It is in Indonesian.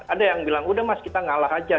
ada yang bilang udah mas kita ngalah aja